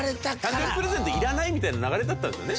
誕生日プレゼントいらないみたいな流れだったんですよね。